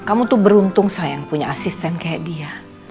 kamu tuh beruntung sayang punya asisten kayak dia